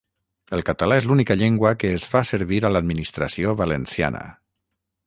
El català és l'única llengua que es fa servir a l'administració valenciana